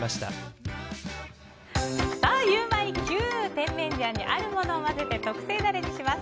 甜麺醤にあるものを混ぜて特製ダレにします。